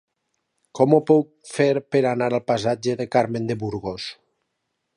Com ho puc fer per anar al passatge de Carmen de Burgos?